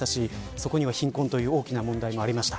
そこには貧困という大きな問題もありました。